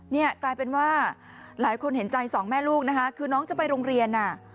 นี่กลายเป็นว่าหลายคนเห็นใจสองแม่ลูกนะคะคือน้องจะไปโรงเรียนอ่ะ